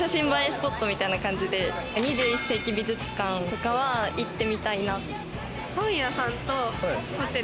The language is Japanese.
スポットみたいな感じで、２１世紀美術館とかは行ってみたいなって。